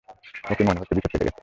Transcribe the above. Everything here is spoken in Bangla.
ওকে, মনে হচ্ছে বিপদ কেটে গেছে!